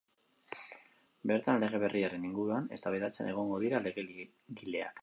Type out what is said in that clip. Bertan lege berriaren inguruan eztabaidatzen egongo dira legegileak.